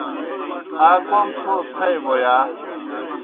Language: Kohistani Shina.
آ کوْم تھو تھائے بوْ یا؟